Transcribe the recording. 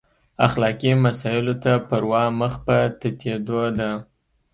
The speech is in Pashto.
اخلاقي مسایلو ته پروا مخ په تتېدو ده.